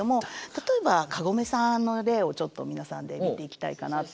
例えばカゴメさんの例をちょっと皆さんで見ていきたいかなと。